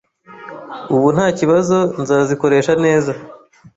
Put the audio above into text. ubu nta kibazo ndazikoresha neza!